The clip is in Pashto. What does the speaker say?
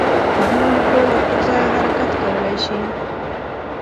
هر مالیکول له خپل ځایه حرکت کولی شي.